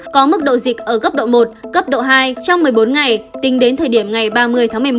có mức độ dịch ở cấp độ một cấp độ hai trong một mươi bốn ngày tính đến thời điểm ngày ba mươi tháng một mươi một